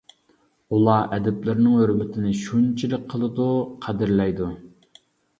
ئۇلار ئەدىبلىرىنىڭ ھۆرمىتىنى شۇنچىلىك قىلىدۇ، قەدىرلەيدۇ.